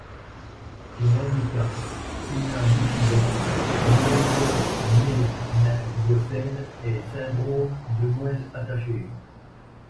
Son handicap: Spina bifida myéloméningocèle et syndrome de moëlle attachée.